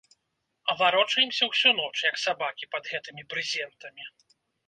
Варочаемся ўсю ноч, як сабакі, пад гэтымі брызентамі.